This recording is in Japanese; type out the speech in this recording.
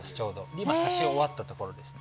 今挿し終わったところですね。